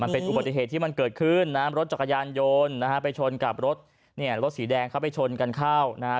มันเป็นอุบัติเหตุที่มันเกิดขึ้นนะฮะรถจักรยานยนต์ไปชนกับรถสีแดงเข้าไปชนกันเข้า